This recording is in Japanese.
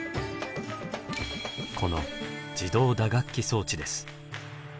この自動打楽器装置です。